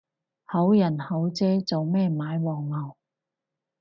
好人好姐做咩買黃牛